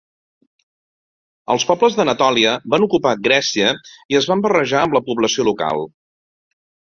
Els pobles d'Anatòlia van ocupar Grècia i es van barrejar amb la població local.